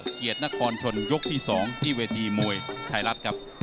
เกียรตินครชนยกที่๒ที่เวทีมวยไทยรัฐครับ